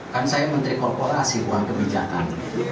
kan saya menteri korporasi bukan kebijakan